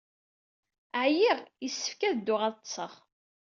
Ɛyiɣ. Yessefk ad dduɣ ad ḍḍseɣ.